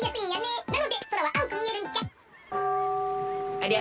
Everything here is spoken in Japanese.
ありゃ？